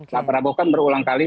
pak prabowo kan berulang kali